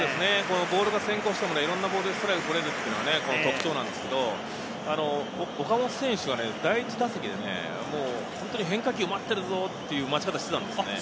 ボールが先行してもいろんなボールでストライクを取れるのが特徴なんですけど、岡本選手は第１打席で変化球を待ってるぞっていう待ち方をしていたんですよ。